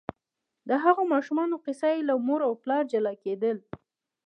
د هغو ماشومانو کیسه چې له مور او پلار جلا کېدل.